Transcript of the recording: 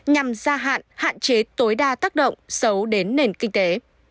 nhằm gia hạn hạn chế tối đa tác động xấu đến nền kinh tế